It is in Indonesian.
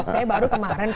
saya baru kemarin kok